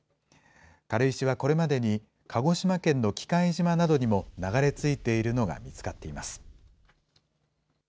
軽石はこれまでに、鹿児島県の喜界島などにも流れ着いているのが見つかっています。